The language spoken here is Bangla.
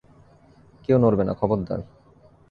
কেউ নড়বে না, খবরদার!